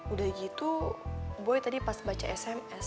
udah gitu boy tadi pas baca sms